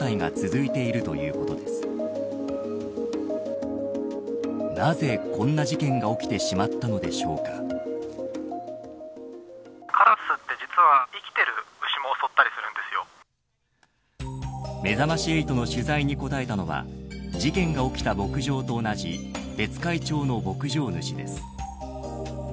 めざまし８の取材に答えたのは事件が起きた牧場と同じ別海町の牧場主です。